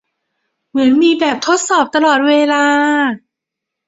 เหมือนมีแบบทดสอบตลอดเวลา